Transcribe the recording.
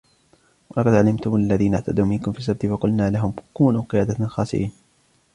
وَلَقَدْ عَلِمْتُمُ الَّذِينَ اعْتَدَوْا مِنْكُمْ فِي السَّبْتِ فَقُلْنَا لَهُمْ كُونُوا قِرَدَةً خَاسِئِينَ